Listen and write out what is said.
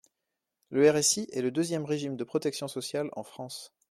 Le RSI est le deuxième régime de protection sociale en France.